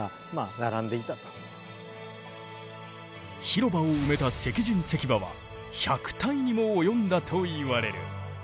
広場を埋めた石人石馬は１００体にも及んだといわれる。